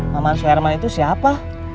maman suherman itu siapa